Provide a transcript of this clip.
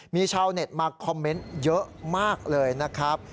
มีชาวเน็ตมาคอมเมนต์เยอะมากเลยนะครับ